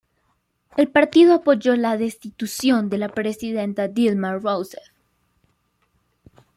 El partido apoyó la destitución de la presidenta Dilma Rousseff.